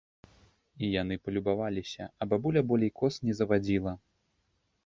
Яны палюбаваліся, а бабуля болей коз не завадзіла.